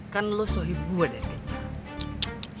kan lo sohib gue dari kecil